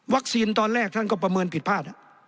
ตอนแรกท่านก็ประเมินผิดพลาด